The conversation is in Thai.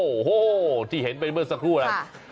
โอ้โหที่เห็นไปเมื่อสักครู่นะ